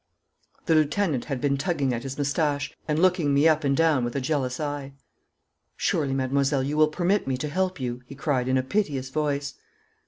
The lieutenant had been tugging at his moustache and looking me up and down with a jealous eye. 'Surely, mademoiselle, you will permit me to help you?' he cried in a piteous voice.